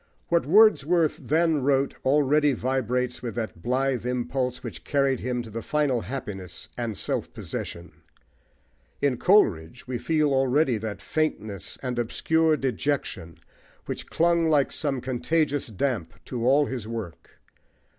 What Wordsworth then wrote already vibrates with that blithe impulse which carried him to final happiness and self possession. In Coleridge we feel already that faintness and obscure dejection which clung like some contagious damp to all his work.